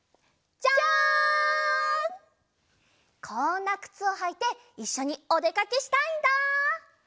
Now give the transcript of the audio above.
こんなくつをはいていっしょにおでかけしたいんだ。